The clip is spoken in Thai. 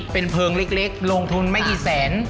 เป็นเพลิงเล็กลงทุนไม่กี่แสน